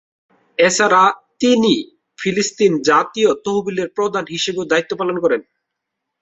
এছাড়া, তিমি ফিলিস্তিন জাতীয় তহবিলের প্রধান হিসেবেও দায়িত্ব পালন করেছিলেন।